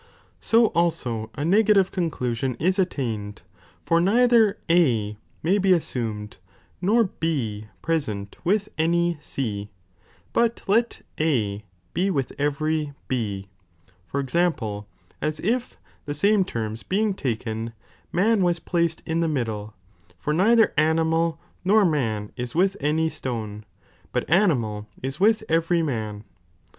So also a negative conclusion (is attained), for neither A may be assumed, nor B preaent with any C, but let A be with every B, for example, as if, the same terms being taken, man waa placed in the middle, for neither „ animal nor man ia with any stone, but animal ia J Animal. with every man.